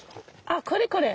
あっこれこれ！